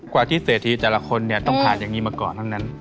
กว่าที่เศรษฐีแต่ละคนเนี่ยต้องผ่านอย่างนี้มาก่อนทั้งนั้น